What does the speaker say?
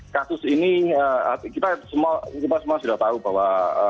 kasus ini kita semua sudah tahu bahwa